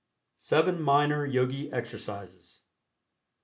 SEVEN MINOR YOGI EXERCISES.